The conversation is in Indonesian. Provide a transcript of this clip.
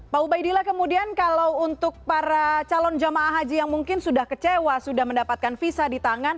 pak ubaidillah kemudian kalau untuk para calon jemaah haji yang mungkin sudah kecewa sudah mendapatkan visa di tangan